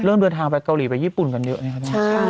เริ่มเดินทางไปเกาหลีไปญี่ปุ่นกันเยอะนะครับ